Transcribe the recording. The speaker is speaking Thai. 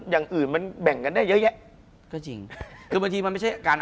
คุณผู้ชมบางท่าอาจจะไม่เข้าใจที่พิเตียร์สาร